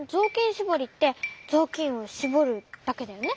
しぼりってぞうきんをしぼるだけだよね？